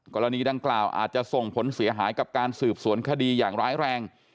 กรณีดังกล่าวอาจจะส่งผลเสียหายกับการสืบสวนคดีอย่างร้ายแรง